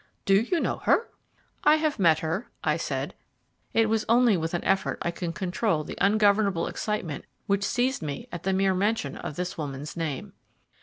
"Do you know her?" "I have met her," I said. It was only with an effort I could control the ungovernable excitement which seized me at the mere mention of this woman's name.